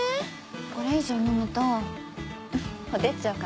これ以上飲むと火照っちゃうから。